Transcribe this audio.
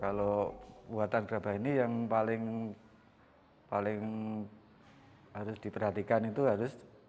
kalau buatan gerabah ini yang paling harus diperhatikan itu harus